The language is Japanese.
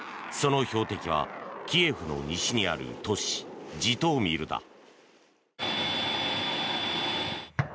その標的はキエフの西にある都市ジトーミルだ。